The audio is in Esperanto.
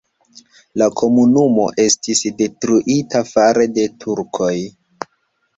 La komunumo estis detruita fare de turkoj.